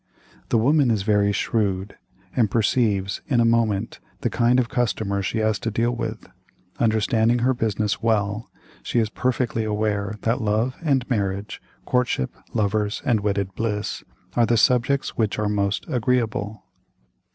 The woman is very shrewd, and perceives, in a moment, the kind of customer she has to deal with. Understanding her business well, she is perfectly aware that love and marriage—courtship, lovers, and wedded bliss—are the subjects which are most agreeable.